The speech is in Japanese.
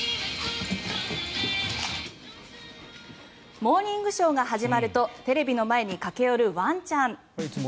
「モーニングショー」が始まるとテレビの前に駆け寄るワンちゃん。